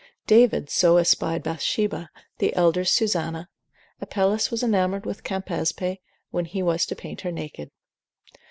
David so espied Bathsheba, the elders Susanna: Apelles was enamoured with Campaspe, when he was to paint her naked.